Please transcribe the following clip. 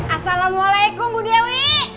assalamualaikum bu dewi